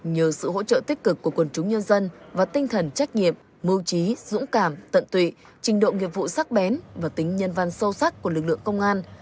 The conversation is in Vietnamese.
nhờ sự hỗ trợ tích cực của quần chúng nhân dân và tinh thần trách nhiệm mưu trí dũng cảm tận tụy trình độ nghiệp vụ sắc bén và tính nhân văn sâu sắc của lực lượng công an